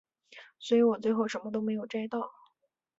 所以我最后什么都没有摘到